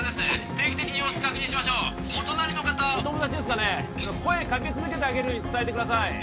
定期的に様子確認しましょうお隣の方お友達ですかね声かけ続けてあげるように伝えてください